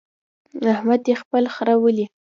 احمد دې خپل خره ولي.